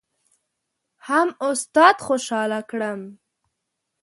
هم استاد خوشحاله کړم.